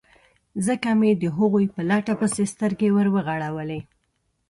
ځکه مې د هغوی په لټه پسې سترګې ور وغړولې.